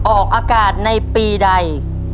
ออกอากาศในปีใด